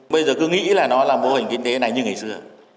bây giờ cứ nghĩ là nó là mô hình kinh tế này như ngày xưa